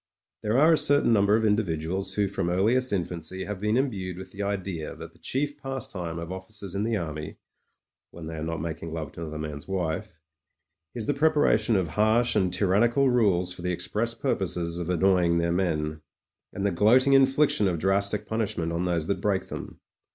... There are a certain number of individuals who from earliest infancy have been imbued with the idea that the chief pastime of officers in the army, when they are not making love to another man's wife, is the preparation of harsh and tyrannical rules for the express purpose of annoying their men, and the gloat ing infliction of drastic punishment on those that break them.